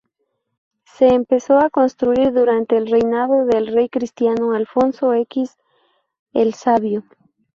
Se empezó a construir durante el reinado del rey cristiano Alfonso X el Sabio.